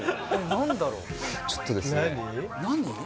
何だろうちょっとですね何？